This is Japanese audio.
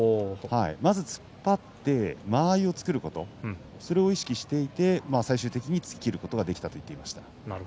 まず突っ張って間合いを作ることそれを意識して最終的には突ききることができたと言っていました。